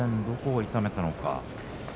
どこを痛めたのか。